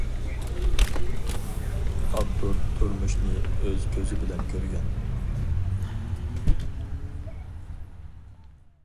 ئاپتور تۇرمۇشنى ئۆز كۆزى بىلەن كۆرگەن.